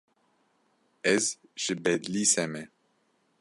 Ez ji Bedlîsê me.